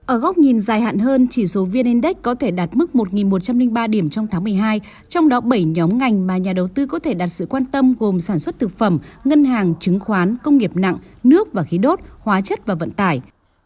ở góc nhìn dài hạn hơn chỉ số vn index có thể đạt mức một một trăm linh ba điểm trong tháng một mươi hai trong đó bảy nhóm ngành mà nhà đầu tư có thể đặt sự quan tâm gồm sản xuất thực phẩm ngân hàng chứng khoán công nghiệp nặng nước và khí đốt hóa chất và vận tải